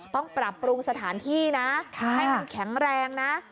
ต้องปรับปรุงสถานที่นะให้มันแข็งแรงนะ